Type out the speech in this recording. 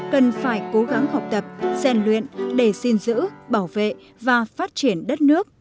cần phải cố gắng học tập gian luyện để xin giữ bảo vệ và phát triển đất nước ngày càng sâu đẹp hơn